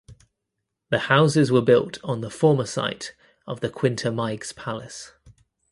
The houses were built on the former site of the Quinta Meiggs Palace.